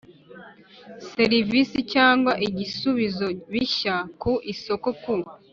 Serivisi cyangwa igisubizo bishya ku isoko ku